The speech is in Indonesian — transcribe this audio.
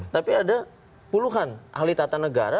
tapi ada puluhan ahli tata negara